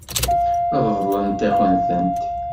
Ṛeḍlen-akent-tent.